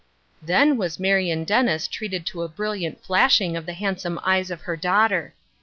Then was Marion Dennis treated to a brilliant flashing of the handsome eyes of her daughter.